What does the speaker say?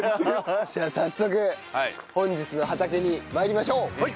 じゃあ早速本日の畑に参りましょう！